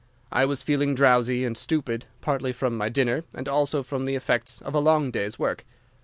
I was feeling drowsy and stupid, partly from my dinner and also from the effects of a long day's work.